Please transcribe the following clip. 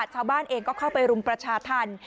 ชาวบ้านเองก็เข้าไปรุมประชาธรรม